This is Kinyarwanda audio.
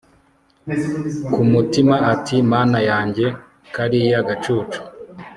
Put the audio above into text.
kumutima ati mana yanjye kariya gacucu